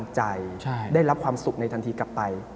มาหาผมแล้วได้รับพลังใจได้รับความสุขในทันทีกลับไป